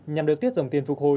nhằm đều tiết dòng tiền phục hồi